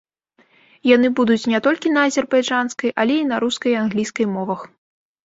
Яны будуць не толькі на азербайджанскай, але і на рускай і англійскай мовах.